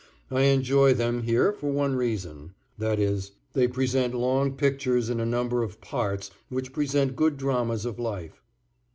I enjoy them here for one reason, i. e., they present long pictures in a number of parts which present good dramas of life.